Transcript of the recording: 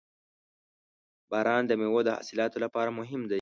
• باران د میوو د حاصلاتو لپاره مهم دی.